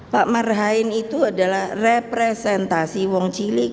pak marhain itu adalah representasi wong cilik